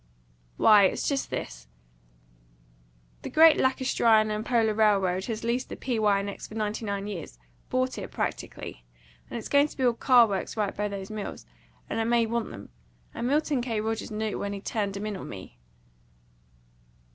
"Why, it's just this. The Great Lacustrine & Polar Railroad has leased the P. Y. & X. for ninety nine years, bought it, practically, and it's going to build car works right by those mills, and it may want them. And Milton K. Rogers knew it when he turned 'em in on me."